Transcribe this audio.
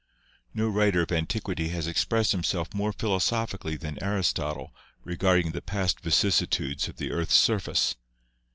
No writer of antiquity has expressed himself more philo sophically than Aristotle regarding the past vicissitudes of the earth's surface.